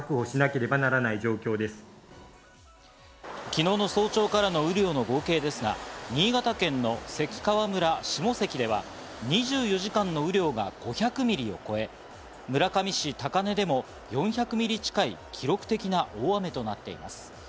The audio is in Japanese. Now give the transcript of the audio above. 昨日の早朝からの雨量の合計ですが、新潟県の関川村下関では２４時間の雨量が５００ミリを超え、村上市高根でも４００ミリ近い記録的な大雨となっています。